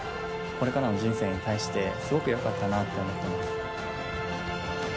これからの人生に対してすごくよかったなって思ってます。